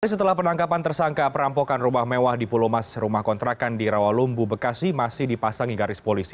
setelah penangkapan tersangka perampokan rumah mewah di pulau mas rumah kontrakan di rawalumbu bekasi masih dipasangi garis polisi